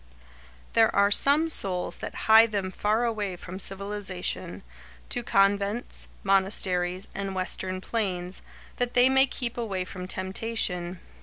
There are some souls that hie them faraway from civilisation, to convents, monasteries, and western plains, that they may keep away from temptation.